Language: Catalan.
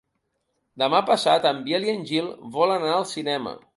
Demà passat en Biel i en Gil volen anar al cinema.